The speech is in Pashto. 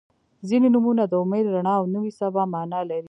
• ځینې نومونه د امید، رڼا او نوې سبا معنا لري.